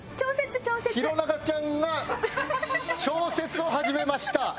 弘中ちゃんが調節を始めました。